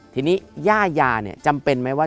ทีนี้ย่ายาจำเป็นไหมว่า